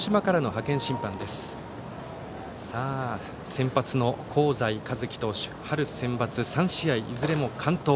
先発の香西一希投手、春センバツいずれも完投。